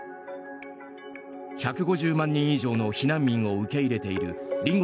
１５０万人以上の避難民を受け入れている隣国